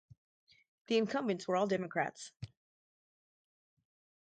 Those incumbents were all Democrats.